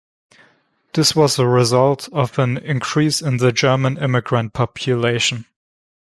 This was a result of an increase in the German immigrant population.